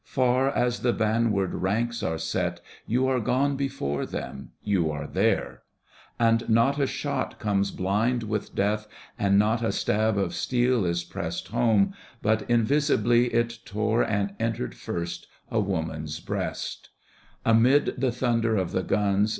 Far as the vanward ranks are set. You are gone before them, you are there I And not a shot comes blind with death And not a stab of steel is pressed Home, but invisibly it tore And entered first a woman's breast. Digitized by Google TO WOMEN 27 Amid the thunder of the guns.